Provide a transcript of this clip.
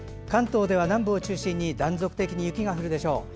関東では南部を中心に断続的に雪が降るでしょう。